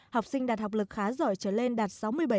học sinh đạt học lực khá giỏi trở lên đạt sáu mươi bảy